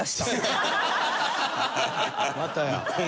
またや。